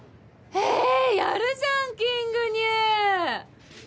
えぇやるじゃんキングニュー。